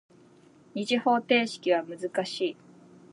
二次方程式は難しい。